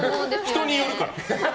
人によるから。